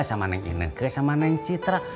sama neng inengke sama neng citra